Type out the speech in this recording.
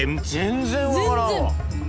全然分からんわ。